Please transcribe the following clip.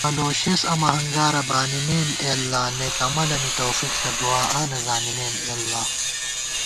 مہ لوشېس امہ ہنگارہ بانِمېم اے اللہ * نېک عمَلَنی توفیق ݪہ ، دُعا آں نہ زانِمېم اےاللہ